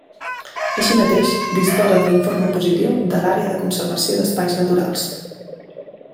Així mateix, disposa de l'informe positiu de l'Àrea de Conservació d'Espais Naturals.